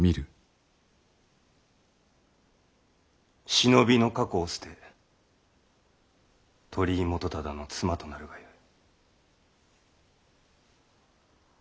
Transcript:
忍びの過去を捨て鳥居元忠の妻となるがよい。